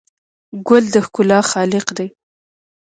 ګل د ښکلا خالق دی.